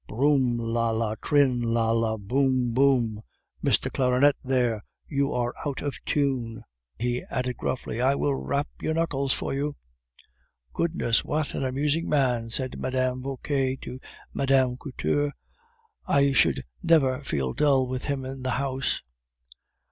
Brooum, la, la, trinn! la, la, boum! boum! Mister Clarinette, there you are out of tune!" he added gruffly; "I will rap your knuckles for you!" "Goodness! what an amusing man!" said Mme. Vauquer to Mme. Couture; "I should never feel dull with him in the house."